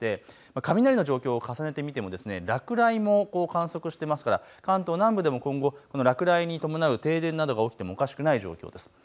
雷の状況を重ねてみても落雷も観測していますから関東南部でも今後この落雷に伴う停電、起きてもおかしくない状況です。